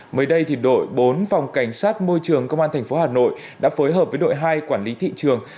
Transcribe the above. mới đây đội bốn phòng cảnh sát môi trường công an tp hà nội đã phối hợp với đội hai quản lý thị trường